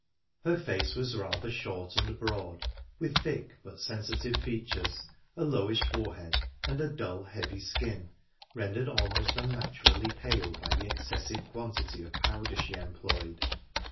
Her face was rather short and broad, with thick but sensitive features, a lowish forehead, and a dull, heavy skin, rendered almost unnaturally pale by the excessive quantity of powder she employed.